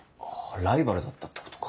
ライバルだったってことか。